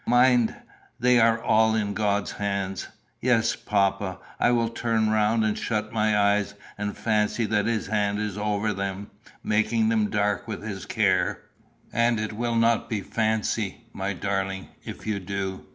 Mind, they are all in God's hands." "Yes, papa. I will turn round and shut my eyes, and fancy that his hand is over them, making them dark with his care." "And it will not be fancy, my darling, if you do.